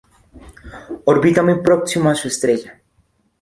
Orbita muy próximo a su estrella.